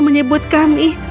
kau menyebut kami